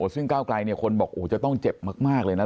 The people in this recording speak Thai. ซึ่งก้าวไกลคนบอกจะต้องเจ็บมากเลยนะ